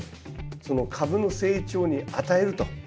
その株の成長に与えると。